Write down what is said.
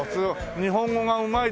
日本語がうまいですね。